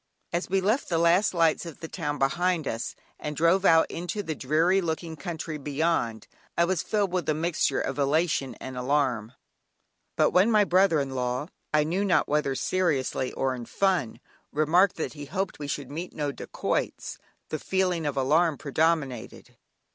As we left the last lights of the town behind us, and drove out into the dreary looking country beyond, I was filled with a mixture of elation and alarm, but when my brother in law (I knew not whether seriously or in fun) remarked that he hoped we should meet no dacoits, the feeling of alarm predominated.